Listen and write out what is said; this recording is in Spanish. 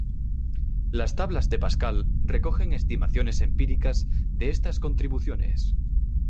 Las tablas de Pascal recogen estimaciones empíricas de estas contribuciones.